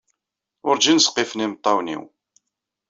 Urjin ẓqifen yimeṭṭawen-iw.